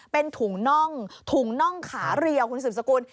เป็นถุงน่องถุงน่องขาเรียวคุณสืบสกุล